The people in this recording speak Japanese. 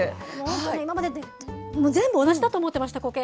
今まで全部同じだと思ってました、コケ。